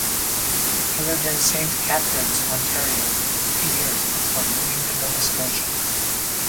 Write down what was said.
He lived in Saint Catharines, Ontario, for three years before moving to Nova Scotia.